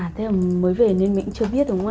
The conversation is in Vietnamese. à thế là mới về nên mình cũng chưa biết đúng không ạ